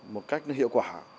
một cách hiệu quả